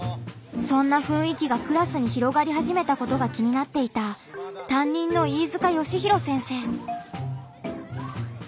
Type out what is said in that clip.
そんなふんい気がクラスに広がりはじめたことが気になっていた担任の飯塚喜大先生。